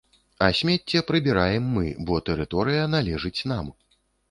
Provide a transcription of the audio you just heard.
А смецце прыбіраем мы, бо тэрыторыя належыць нам.